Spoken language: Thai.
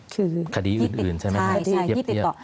คือคดีอื่นใช่ไหมครับ